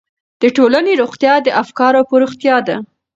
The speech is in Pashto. د ټولنې روغتیا د افکارو په روغتیا ده.